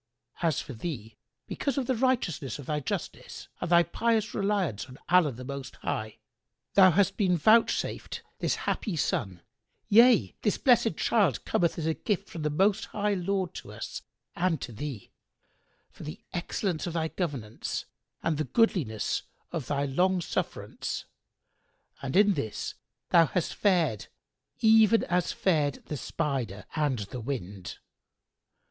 As for thee, because of the righteousness of thy justice and thy pious reliance on Allah the Most High, thou hast been vouchsafed this happy son; yea, this blessed[FN#93] child cometh as a gift from the Most High Lord to us and to thee, for the excellence of thy governance and the goodliness of thy long sufferance; and in this thou hast fared even as fared the Spider and the Wind."